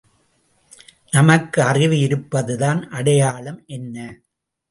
நமக்கு அறிவு இருப்பதன் அடையாளம் என்ன?